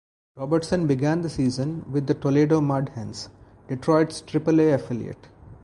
Robertson began the season with the Toledo Mud Hens, Detroit's Triple-A affiliate.